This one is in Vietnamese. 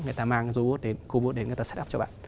người ta mang robot đến robot đến người ta set up cho bạn